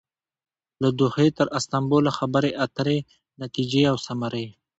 له دوحې تر استانبوله خبرې اترې ،نتیجې او ثمرې